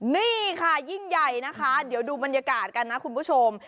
นี่ค่ะยิ่งใหญ่นะคะเดี๋ยวดูบรรยากาศกันนะคุณผู้ชม